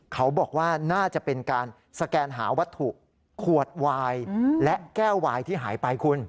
เขาบอกว่าน่าจะเป็นการสแกนหาวัตถุขวดวายและแก้ววายที่หายไปคุณ